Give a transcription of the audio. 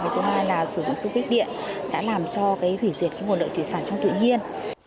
thứ hai là sử dụng sung kích điện đã làm cho hủy diệt nguồn lợi thủy sản trong tự nhiên